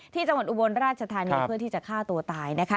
ที่จังหวัดอุบลราชธานีค์เพื่อที่จะฆ่าตัวตายนะคะ